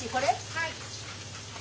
はい。